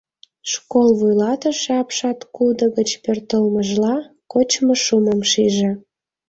Школ вуйлатыше, апшаткудо гыч пӧртылшыжла, кочмо шумым шиже.